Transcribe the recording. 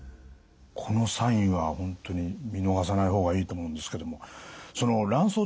このサインは本当に見逃さない方がいいと思うんですけどもその卵巣